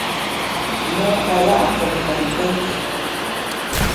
Mû ka ya’ njem tèt mfé nké.